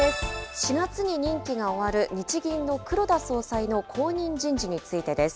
４月に任期が終わる日銀の黒田総裁の後任人事についてです。